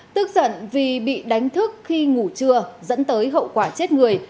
tức giận vì bị đánh thức khi ngủ trưa dẫn tới hậu quả chết người